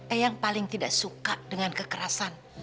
eang paling tidak suka dengan kekerasan